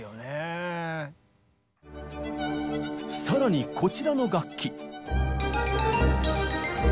更にこちらの楽器。